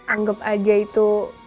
anggep aja itu